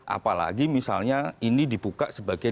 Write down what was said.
apalagi misalnya ini dibuka sebagai